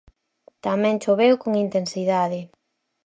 Tamén choveu con intensidade.